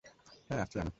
হ্যাঁ, আসছি আমি।